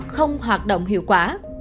không hoạt động hiệu quả